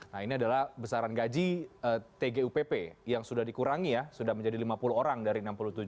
nah ini adalah besaran gaji tgupp yang sudah dikurangi ya sudah menjadi lima puluh orang dari enam puluh tujuh